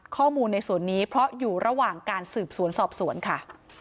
ข้อมูลในส่วนนี้เพราะอยู่ระหว่างการสืบสวนสอบสวนค่ะ